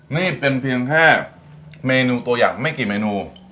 นี่เป็นเพียงแค่เมนูตัวอย่างไม่กี่เมนู